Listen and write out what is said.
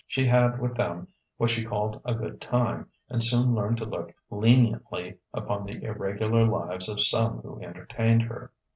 She had with them what she called a good time, and soon learned to look leniently upon the irregular lives of some who entertained her.